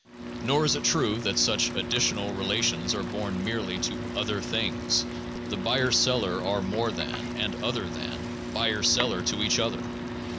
Nor is it true that such additional relations are borne merely to other things ; the buyer seller are more than, and other than, buyer seller to each other.